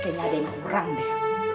kayaknya ada yang kurang deh